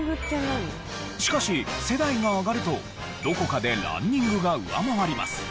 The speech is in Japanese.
しかし世代が上がるとどこかでランニングが上回ります。